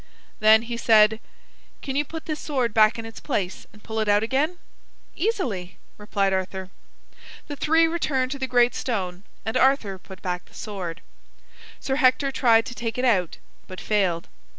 Then he said: "Can you put this sword back in its place and pull it out again?" "Easily," replied Arthur. The three returned to the great stone, and Arthur put back the sword. Sir Hector tried to take it out, but failed.